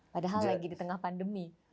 padahal lagi di tengah pandemi